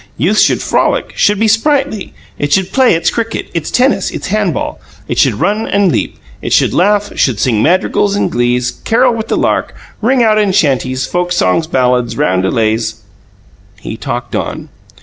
Youth should frolic, should be sprightly; it should play its cricket, its tennis, its hand ball. It should run and leap; it should laugh, should sing madrigals and glees, carol with the lark, ring out in chanties, folk songs, ballads, roundelays " He talked on.